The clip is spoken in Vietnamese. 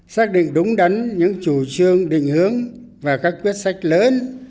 xác định đúng đắn những chủ trương định hướng và các quyết sách lớn